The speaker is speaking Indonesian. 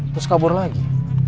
terus kabur lagi